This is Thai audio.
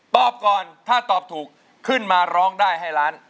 ก่อนถ้าตอบถูกขึ้นมาร้องได้ให้ล้าน